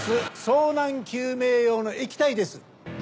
遭難救命用の液体です。